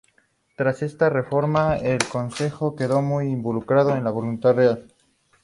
Tras esta reforma el Consejo quedó muy vinculado a la voluntad real.